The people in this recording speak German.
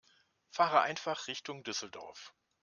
Fahre einfach Richtung Düsseldorf